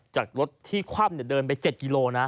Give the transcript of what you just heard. จากรถที่คว่ำเดินไป๗กิโลนะ